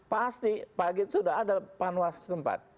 pasti pagi sudah ada panwas tempat